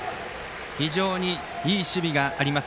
非常にいい守備があります。